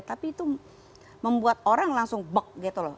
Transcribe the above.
tapi itu membuat orang langsung bek gitu loh